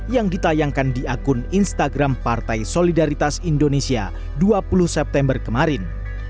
yang ditayangkan di akun instagram partai solidaritas indonesia dua puluh september kemarin